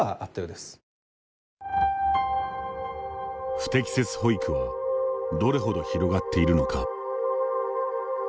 不適切保育はどれほど広がっているのか。